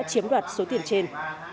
chiếm đoạt số tiền trên